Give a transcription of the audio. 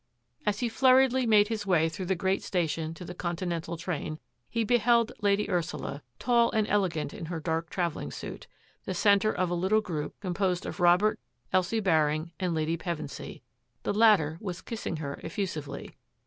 As he flurriedly made his way through the great station to the Continental train, he beheld Lady Ursula, tall and elegant, in her dark travelling suit, the centre of a little group composed of Rob ert, Elsie Baring, and Lady Pevensy. The latter was kissing her effusively.